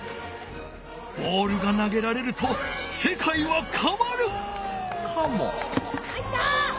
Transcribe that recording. ボールが投げられるとせかいはかわる！かも。